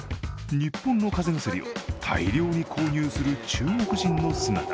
日本の風邪薬を大量に購入する中国人の姿。